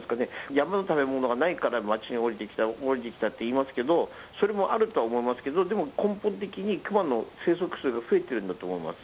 山の食べ物がないから町に降りてきたっていいますけどそれもあると思いますけど根本的にクマの生息数が増えているんだと思います。